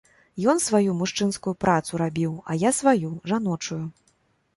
Ён сваю, мужчынскую, працу рабіў, а я сваю, жаночую.